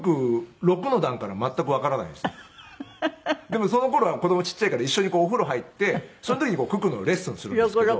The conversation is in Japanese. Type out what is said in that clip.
でもその頃は子供ちっちゃいから一緒にお風呂に入ってその時に九九のレッスンをするんですけど。